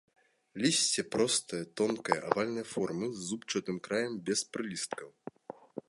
Лісце простае, тонкае, авальнай формы, з зубчастым краем, без прылісткаў.